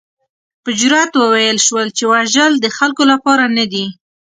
په جرات وویل شول چې وژل د خلکو لپاره نه دي.